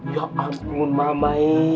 ya ampun mama